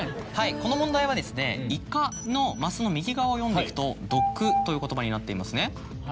はいこの問題は「いか」のマスの右側を読んでいくと「どく」という言葉になっていますね？